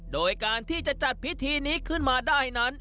โดยการที่จะจัดพิธีนี้ขึ้นมาได้นั้น